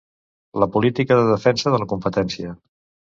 La política de defensa de la competència.